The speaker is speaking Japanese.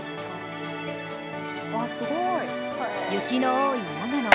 雪の多い長野。